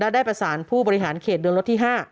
ได้ประสานผู้บริหารเขตเดินรถที่๕